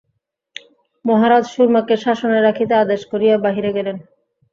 মহারাজ সুরমাকে শাসনে রাখিতে আদেশ করিয়া বাহিরে গেলেন।